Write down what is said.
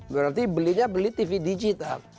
berarti belinya beli tv digital